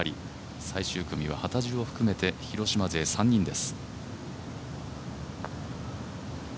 最終組は幡地を含めて広島勢３人です。